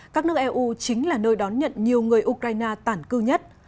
các nước eu chính là nơi đón nhận nhiều người ukraine tản cư nhất